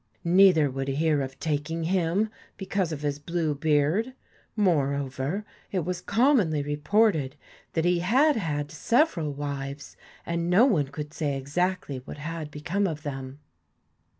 Neither would hear of taking him because of his blue beard. Moreover, it was commonly reported that he had had several wives, and no one could say exactly what had become of them.